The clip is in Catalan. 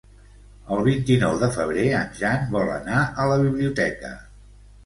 El vint-i-nou de febrer en Jan vol anar a la biblioteca.